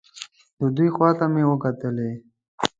د دوی خوا ته مې وکتلې.